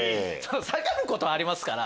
下がることはありますから。